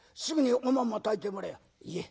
すぐにおまんま炊いてもらやあ」。